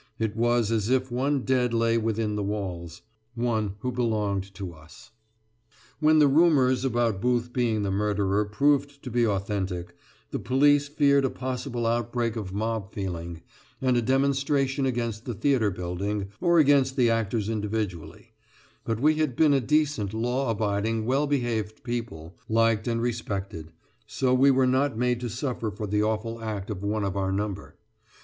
It was as if one dead lay within the walls one who belonged to us. When the rumours about Booth being the murderer proved to be authentic, the police feared a possible outbreak of mob feeling, and a demonstration against the theatre building, or against the actors individually; but we had been a decent, law abiding, well behaved people liked and respected so we were not made to suffer for the awful act of one of our number.